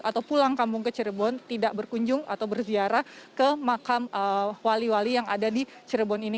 atau pulang kampung ke cirebon tidak berkunjung atau berziarah ke makam wali wali yang ada di cirebon ini